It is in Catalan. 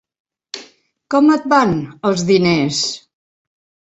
Com et van, els diners?